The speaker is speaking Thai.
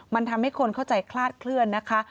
มันทำให้คนเข้าใจคลาดเคลื่อนนะคะ